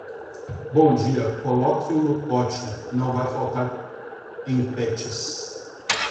Bom dia, coloque-o no pote, que não vai faltar em patches.